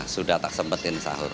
sudah tak sempetin sahur